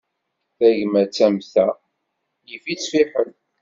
Tagmat am ta, yif-itt fiḥel.